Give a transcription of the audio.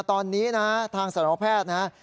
ตอนนี้นะฮะทางสารวแพทย์นะครับ